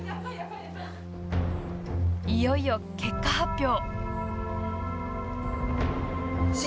いよいよ結果発表。